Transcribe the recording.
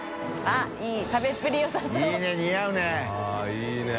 あっいいね。